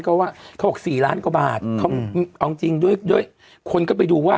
ก็ว่าเขาบอกสี่ล้านกว่าบาทอืมเอาจริงจริงด้วยด้วยคนก็ไปดูว่า